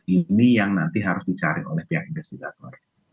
ini yang nanti harus dicari oleh pihak investigator